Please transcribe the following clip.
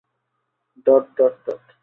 Dot dot dot.